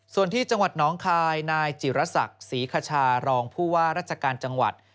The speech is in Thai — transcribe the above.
ส่วนที่จังหวัดน้องคายนายจิรษักศรีคชารองผู้ว่าราชการจังหวัด